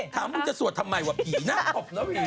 ถามมึงจะสวดทำไมว่ะผีน่ะพบนะผี